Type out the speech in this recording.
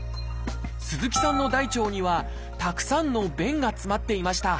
鈴木さんの大腸にはたくさんの便が詰まっていました。